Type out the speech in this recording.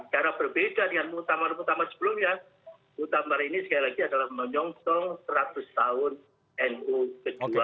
karena berbeda dengan utama utama sebelumnya utama ini sekali lagi adalah menyongsong seratus tahun npo kedua